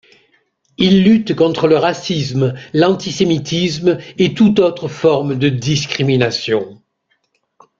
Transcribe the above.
Il lutte contre le racisme, l’antisémitisme et toute autre forme de discrimination.